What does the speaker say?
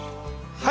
はい。